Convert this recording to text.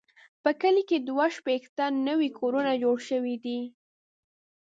په کلي کې دوه شپېته نوي کورونه جوړ شوي دي.